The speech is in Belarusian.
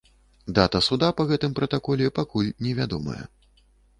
Дата суда па гэтым пратаколе пакуль невядомая.